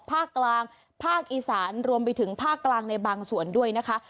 ภาคกลางภาคอีสานรวมไปถึงภาคกลางในบางส่วนด้วยนะคะ